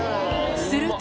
すると。